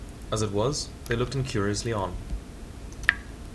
As it was, they looked incuriously on.